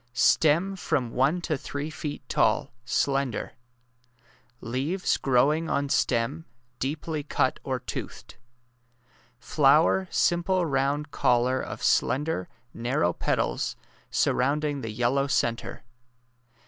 Stem from one to three feet tall— slender. Leaves growing on stem— deeply cut or toothed. Flower simple round collar of slender, nar row petals surrounding the yellow centre.